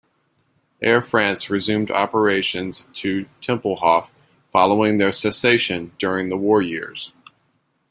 Air France resumed operations to Tempelhof following their cessation during the war years.